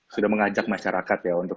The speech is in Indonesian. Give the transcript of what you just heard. sudah mengajak masyarakat ya untuk